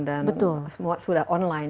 dan semua sudah online